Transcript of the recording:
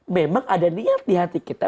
memang ada niat di hati kita